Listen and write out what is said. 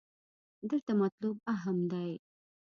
دلته مطلوب اهم دې.